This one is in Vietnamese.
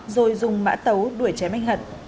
rồi dùng mã tấu đuổi chém anh hận